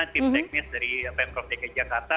tim teknis dari pemprov dki jakarta